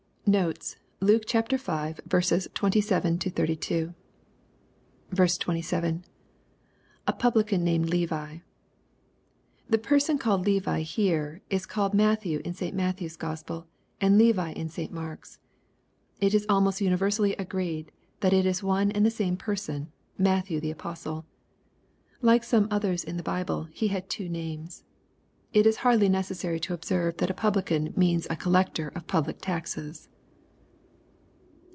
Notes. Lukb V. 27—32. 7. — [A PMiccm named Levi'] The person called Levi here, 19 called Matthew in St. Matthew*s Gk)spel, and Levi in St Mark's. It 13 almost universally agreed that it is one and the same person, Matthew the apostle. Like some others in the Bible, he had two names. It is hardly necessary to observe that a publican means a col lector of public taxes.